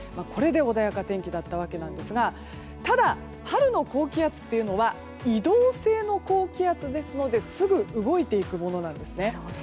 これで穏やかな天気だったわけですがただ、春の高気圧というのは移動性の高気圧ですのですぐ動いていくものなんですね。